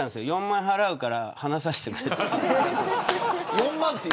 ４万円払うから話させてくれって。